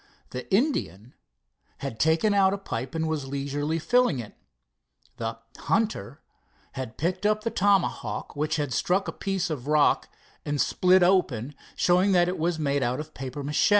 The "Indian" had taken out a pipe and was leisurely filling it. The "hunter" had picked up the "tomahawk", which had struck a piece of rock and split open, showing that it was made of papier mache.